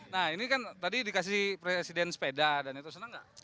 nah ini kan tadi dikasih presiden sepeda dan itu senang gak